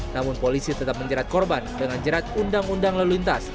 namun polisi tetap menjerat korban dengan jerat undang undang lalu lintas